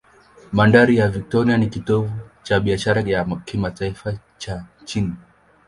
Bandari ya Victoria ni kitovu cha biashara ya kimataifa cha nchi.